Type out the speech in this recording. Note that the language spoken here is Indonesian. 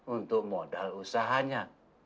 untuk modal usahanya